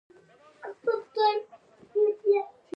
دوی سپوږمۍ او مریخ ته ورسیدل.